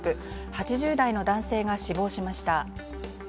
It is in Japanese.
８０代の男性が死亡しました。